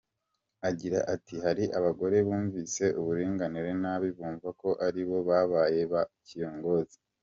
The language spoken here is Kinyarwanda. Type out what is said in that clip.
agira ati “Hari abagore bumvise uburinganire nabi, bumva ko aribo babaye ba kiyongozi.